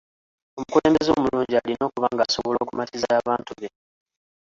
Omukulembeze omulungi alina okuba ng'asobola okumatiza abantu be.